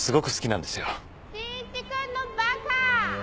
真一君のバカ！